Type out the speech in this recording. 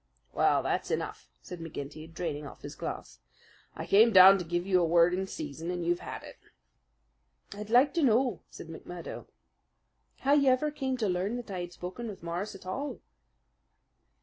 "Well, that's enough," said McGinty, draining off his glass. "I came down to give you a word in season, and you've had it." "I'd like to know," said McMurdo, "how you ever came to learn that I had spoken with Morris at all?"